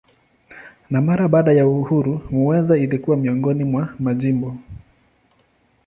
Na mara baada ya uhuru Muheza ilikuwa miongoni mwa majimbo.